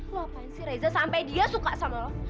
lo apaan sih reza sampai dia suka sama lo